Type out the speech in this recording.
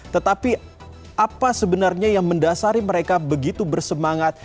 tetapi apa sebenarnya yang mendasari mereka begitu bersemangat